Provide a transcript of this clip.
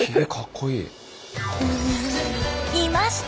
いました！